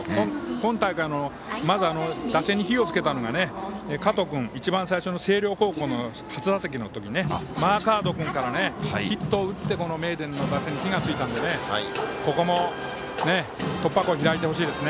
今大会の打線に火をつけたのが加藤君、一番最初の星稜高校の初打席マーガード君からヒットを打って名電の打線に火がついたのでここも突破口開いてほしいです。